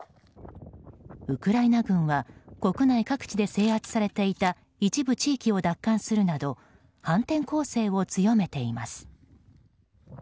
ウクライナ軍は国内各地で制圧されていた一部地域を奪還するなど反転攻勢を強めています。